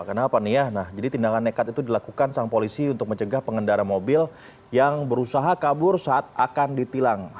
kenapa nih ya nah jadi tindakan nekat itu dilakukan sang polisi untuk mencegah pengendara mobil yang berusaha kabur saat akan ditilang